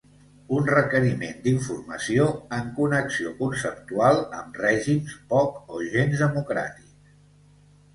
Un requeriment d’informació en connexió conceptual amb règims poc o gens democràtics.